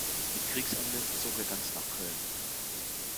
Mit Kriegsende zog er ganz nach Köln.